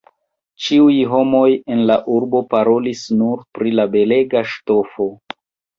Ĉiuj homoj en la urbo parolis nur pri la belega ŝtofo.